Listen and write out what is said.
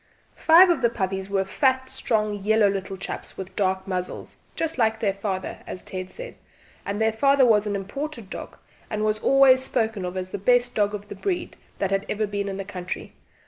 Five of the puppies were fat strong yellow little chaps with dark muzzles just like their father, as Ted said; and their father was an imported dog, and was always spoken of as the best dog of the breed that had ever been in the country.